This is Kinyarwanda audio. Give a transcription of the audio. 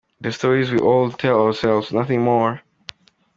"The Stories We Tell Ourselves" - Nothing More.